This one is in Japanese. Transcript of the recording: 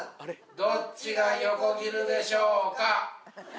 どっちが横切るでしょうか？